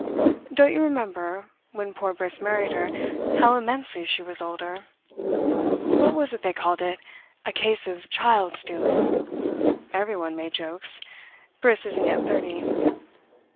"Don't you remember, when poor Briss married her, how immensely she was older? What was it they called it? a case of child stealing. Everyone made jokes. Briss isn't yet thirty."